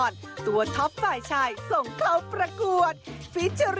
จ๊อกแจ๊ะริมจ๋อ